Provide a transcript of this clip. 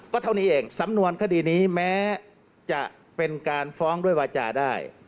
เท่านี้เองสำนวนคดีนี้แม้จะเป็นการฟ้องด้วยวาจาได้